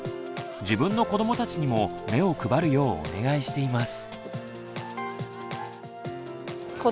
自分の子どもたちにも目を配るようお願いしています。